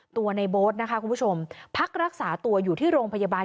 ในโบ๊ทนะคะคุณผู้ชมพักรักษาตัวอยู่ที่โรงพยาบาล